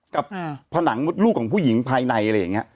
กับผนังลูกของผู้หญิงภายใน